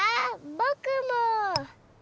ぼくも。